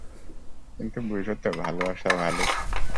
কিন্তু বোঝো তো, ভালোবাসার ভালুক?